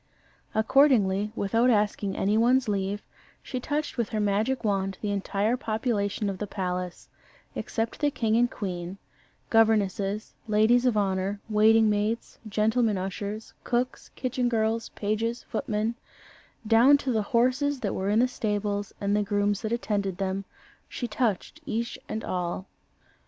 Accordingly, without asking any one's leave, she touched with her magic wand the entire population of the palace except the king and queen; governesses, ladies of honour, waiting maids, gentlemen ushers, cooks, kitchen girls, pages, footmen down to the horses that were in the stables, and the grooms that attended them, she touched each and all.